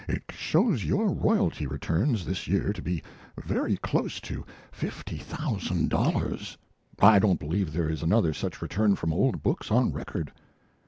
It shows your royalty returns this year to be very close to fifty thousand dollars. I don't believe there is another such return from old books on record."